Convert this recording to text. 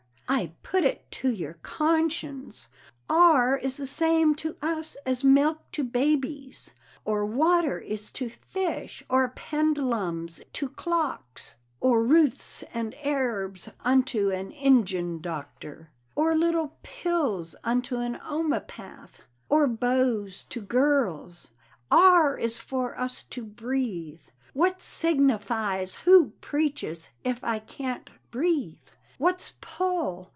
I put it to your konshens, Are is the same to us as milk to babies, Or water is to fish, or pendlums to clox, Or roots and airbs unto an Injun doctor, Or little pills unto an omepath, Or Boze to girls. Are is for us to brethe. What signifize who preaches ef I cant brethe? What's Pol?